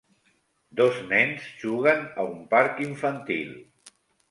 Dos nens juguen a un parc infantil.